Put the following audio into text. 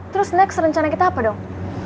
terus next rencana kita apa dong